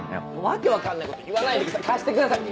訳分かんないこと言わないでください